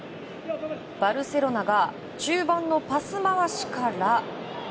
バルセロナが中盤のパス回しから。